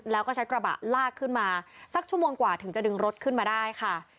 แล้วก็ใช้กระบะลากขึ้นมาสักชั่วโมงกว่าถึงจะดึงรถขึ้นมาได้ค่ะ